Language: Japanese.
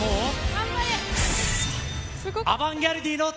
頑張れ。